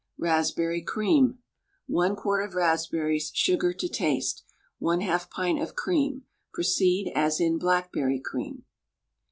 RASPBERRY CREAM. 1 quart of raspberries, sugar to taste, 1/2 pint of cream. Proceed as in "Blackberry Cream."